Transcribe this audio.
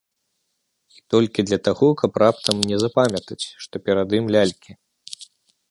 І толькі для таго, каб раптам не запамятаць, што перад ім лялькі.